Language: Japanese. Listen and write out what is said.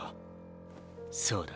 そうだ。